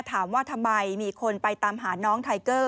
ถามว่าทำไมมีคนไปตามหาน้องไทเกอร์